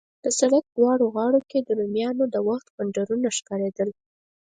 د سړک دواړو غاړو کې د رومیانو د وخت کنډرونه ښکارېدل.